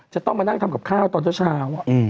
จะต้องมานั่งทำกับข้าวตอนเช้า